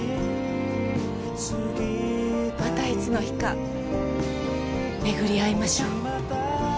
またいつの日か巡り合いましょ。